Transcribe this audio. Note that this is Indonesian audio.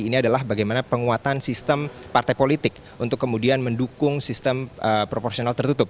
ini adalah bagaimana penguatan sistem partai politik untuk kemudian mendukung sistem proporsional tertutup